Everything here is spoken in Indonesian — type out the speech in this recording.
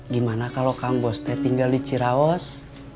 gimana kalau kamu tinggal di ciraos